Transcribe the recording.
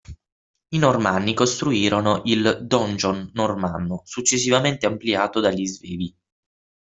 I normanni costruirono il "donjon" normanno, successivamente ampliato dagli svevi.